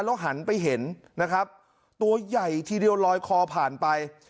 แล้วหันไปเห็นนะครับตัวใหญ่ทีเดียวลอยคอผ่านไป